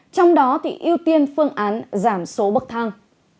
trong đó ưu tiên phương án giảm số bậc thang